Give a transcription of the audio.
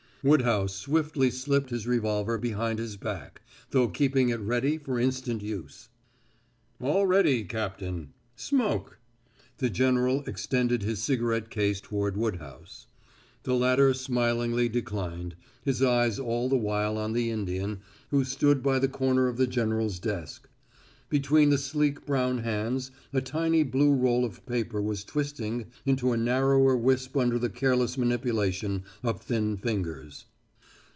Woodhouse swiftly slipped his revolver behind his back, though keeping it ready for instant use. "All ready, Captain. Smoke." The general extended his cigarette case toward Woodhouse. The latter smilingly declined, his eyes all the while on the Indian, who stood by the corner of the general's desk. Between the sleek brown hands a tiny blue roll of paper was twisting into a narrower wisp under the careless manipulation of thin fingers.